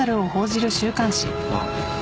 あっ。